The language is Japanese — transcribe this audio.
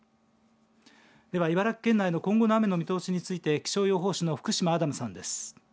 では茨城県内の今後の雨の見通しについて気象予報士の福嶋アダムさんです。